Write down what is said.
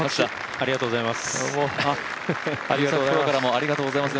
ありがとうございます。